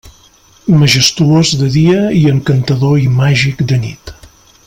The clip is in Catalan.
Majestuós de dia i encantador i màgic de nit.